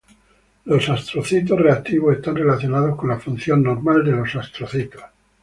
Los astrocitos reactivos están relacionados con la función normal de los astrocitos.